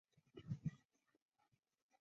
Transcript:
靡不有初鲜克有终